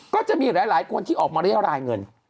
ก็จะมีหลายคนที่ออกมาเรียรายเงิน